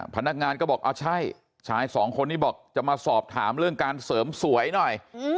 พนักงานก็บอกเอาใช่ชายสองคนนี้บอกจะมาสอบถามเรื่องการเสริมสวยหน่อย